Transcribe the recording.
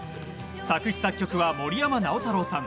作詞・作曲は森山直太朗さん。